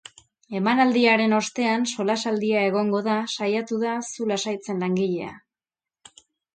Emanaldiaren ostean solasaldia egongo da, saiatu da zu lasaitzen langilea.